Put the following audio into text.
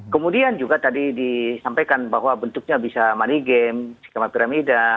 kemudian juga tadi disampaikan bahwa bentuknya bisa money game